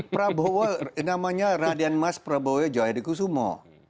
prabowo namanya raden mas prabowo jahadikusumo